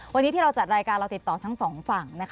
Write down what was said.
วันนี้ที่เราจัดรายการเราติดต่อทั้งสองฝั่ง